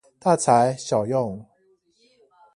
大材小用